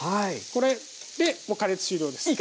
これで加熱終了です。